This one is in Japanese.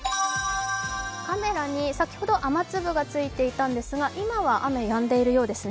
カメラに先ほど雨粒がついていたんですが今は雨、やんでいるようですね。